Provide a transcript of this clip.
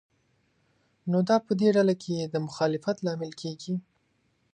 نو دا په دې ډله کې د مخالفت لامل کېږي.